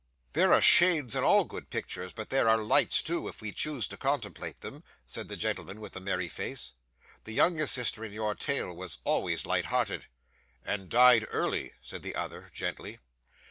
'There are shades in all good pictures, but there are lights too, if we choose to contemplate them,' said the gentleman with the merry face. 'The youngest sister in your tale was always light hearted.' 'And died early,' said the other, gently.